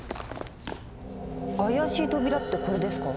あやしい扉ってこれですか？